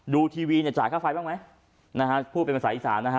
ทีวีเนี่ยจ่ายค่าไฟบ้างไหมนะฮะพูดเป็นภาษาอีสานนะฮะ